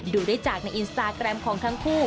ดูได้จากในอินสตาแกรมของทั้งคู่